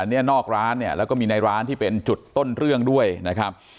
อันนี้นอกร้านเนี่ยแล้วก็มีในร้านที่เป็นจุดต้นเรื่องด้วยนะครับ